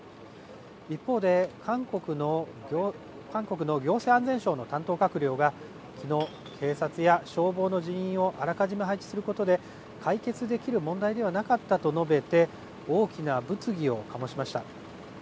一方で韓国の行政安全省の担当閣僚が昨日、警察や消防の人員をあらかじめ配置することで解決できる問題ではなかったと述べて大きな物議を醸しました。